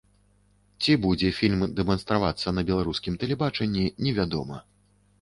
Ці будзе фільм дэманстравацца на беларускім тэлебачанні, невядома.